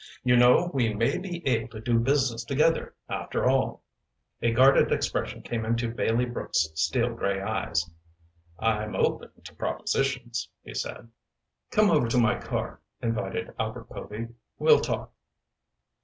You know, we may be able to do business together, after all." A guarded expression came into Bailey Brooks' steel gray eyes. "I'm open to propositions," he said. "Come over to my car," invited Albert Povy. "We'll talk."